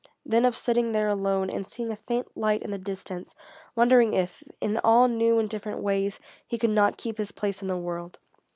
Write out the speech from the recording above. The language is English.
Then of sitting there alone and seeing a faint light in the distance, wondering if, in all new and different ways, he could not keep his place in the world.